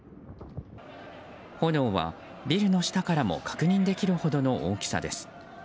炎はビルの下からも確認できるほどの大きさです。